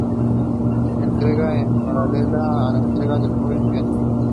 Su entrega es paralela a la entrega de la joven pianista.